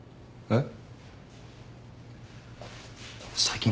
えっ？